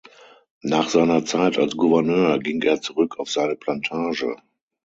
Nach seiner Zeit als Gouverneur ging er zurück auf seine Plantage.